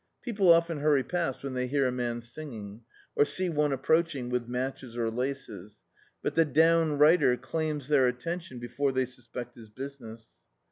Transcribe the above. Peo ple often hurry past when they hear a man sin^ng, or see one approaching with matches or laces, but the downrighter claims their attention before they suspect his business.